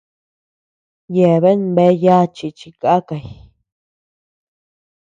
Yeabean bea yachi chi kakay.